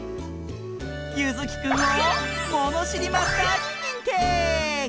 ゆずきくんをものしりマスターににんてい！